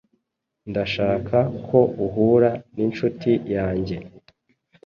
Ndashaka ko uhura n'inshuti yanjye.